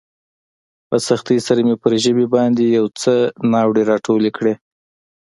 په سختۍ سره مې پر ژبې باندې يو څه ناړې راټولې کړې.